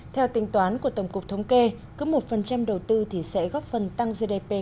theo tính toán của tổng cục thống kê cứ một đầu tư sẽ góp phần tăng gdp sáu